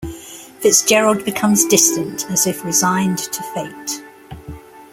Fitzgerald becomes distant, as if resigned to fate.